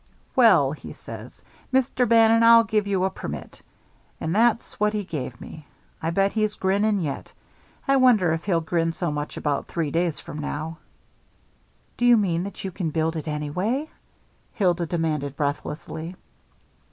'Well,' he says, 'Mr. Bannon, I'll give you a permit.' And that's what he gave me. I bet he's grinning yet. I wonder if he'll grin so much about three days from now." "Do you mean that you can build it anyway?" Hilda demanded breathlessly.